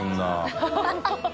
ハハハ